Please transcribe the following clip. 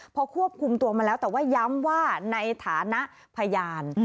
พอควบคุมตัวมาแล้วแต่ว่าย้ำว่าในฐานะพยาน